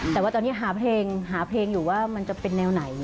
แต่ว่าตอนนี้หาเพลงหาเพลงอยู่ว่ามันจะเป็นแนวไหน